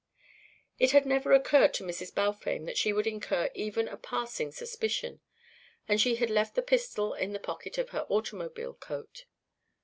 It had never occurred to Mrs. Balfame that she would incur even a passing suspicion, and she had left the pistol in the pocket of her automobile coat.